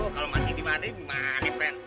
aduh kalau mandi di mandi gimana ben